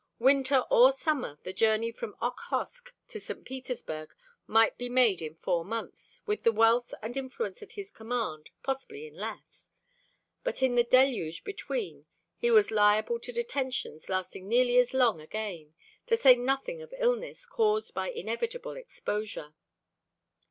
Winter or summer the journey from Okhotsk to St. Petersburg might be made in four months; with the wealth and influence at his command, possibly in less; but in the deluge between he was liable to detentions lasting nearly as long again, to say nothing of illness caused by inevitable exposure.